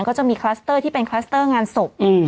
ก็จะมีคลัสเตอร์ที่เป็นคลัสเตอร์งานศพ